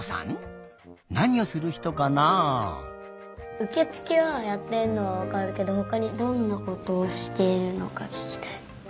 うけつけはやってんのはわかるけどほかにどんなことをしているのかききたい。